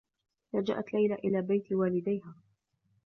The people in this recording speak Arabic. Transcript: لجأت ليلى إلى بيت والديها.